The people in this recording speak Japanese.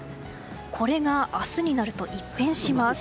これが明日になると一変します。